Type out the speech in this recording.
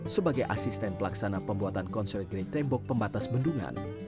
sebagai asisten pelaksana pembuatan konsolid kering tembok pembatas bendungan